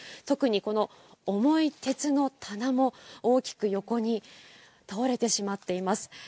特にこの重い鉄の棚も大きく横に倒れてしまっています。